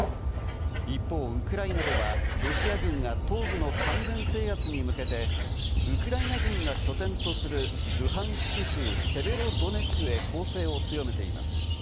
一方、ウクライナではロシア軍が東部の完全制圧に向けて、ウクライナ軍が拠点とするルハンシク州セベロドネツクへ攻勢を強めています。